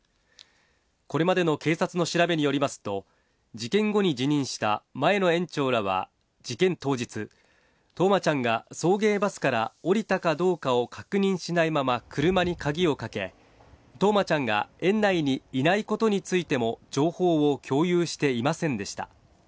これまでの警察の調べによりますと、事件後に辞任した前の園長らは、事件当日、冬生ちゃんが送迎バスから降りたかどうかを確認しないまま、車に鍵をかけ、冬生ちゃんが園内にいないことについても情報を共有していませんでした。